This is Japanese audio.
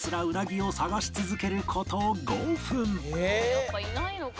「やっぱいないのか」